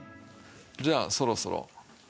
じゃあそろそろ。